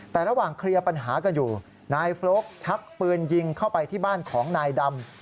แต่ระหว่างเคลียร์ปัญหากันอยู่นายโฟลกชักปืนยิงเข้าไปที่บ้านของนายดำ